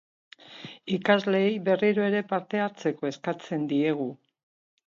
Ikasleei, berriro ere, parte hartzeko eskatzen diegu.